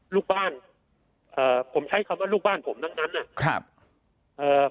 ลูกบ้านเอ่อผมใช้คำว่าลูกบ้านผมทั้งนั้นอ่ะครับเอ่อ